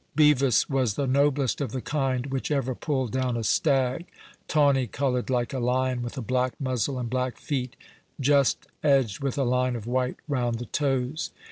Bevis was the noblest of the kind which ever pulled down a stag, tawny coloured like a lion, with a black muzzle and black feet, just edged with a line of white round the toes.